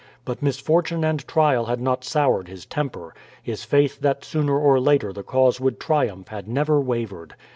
But misfortune and trial had not soured his temper; his faith that sooner or later the cause would triumph had never wavered.